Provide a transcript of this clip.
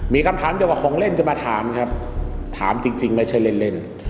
มีคำถามเกี่ยวกับของเล่นจะมาถามครับถามจริงไม่ใช่เล่นเล่น